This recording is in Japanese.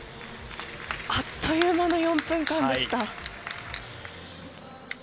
あっという間の４分間でした。